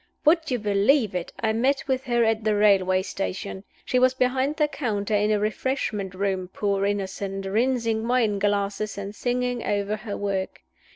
Would you believe it, I met with her at the railway station. She was behind the counter in a refreshment room, poor innocent, rinsing wine glasses, and singing over her work.